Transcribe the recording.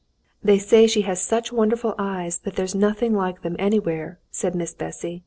] "They say she has such wonderful eyes that there's nothing like them anywhere," said Miss Bessy.